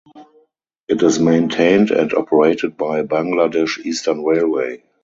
It is maintained and operated by Bangladesh Eastern Railway.